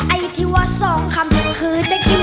ไอที่ว่าสองคำก็คือจากกิ้มก็ตก